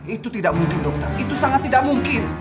itu tidak mungkin dokter itu sangat tidak mungkin